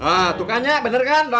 nah tuh kak nya bener kan